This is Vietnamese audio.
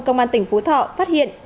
công an tỉnh phú thọ phát hiện